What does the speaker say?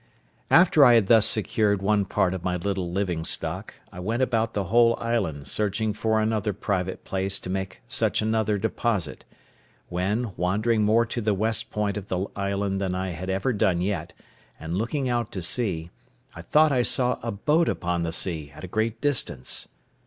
After I had thus secured one part of my little living stock, I went about the whole island, searching for another private place to make such another deposit; when, wandering more to the west point of the island than I had ever done yet, and looking out to sea, I thought I saw a boat upon the sea, at a great distance.